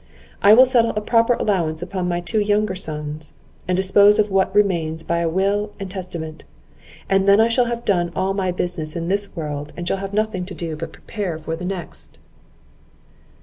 I will settle a proper allowance upon my two younger sons, and dispose of what remains by a will and testament; and then I shall have done all my business in this world, and shall have nothing to do but prepare for the next."